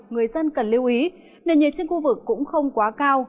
người dân cần lưu ý nền nhiệt trên khu vực cũng không quá cao